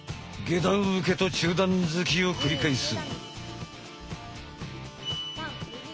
下段受けと中段突きを繰り返す。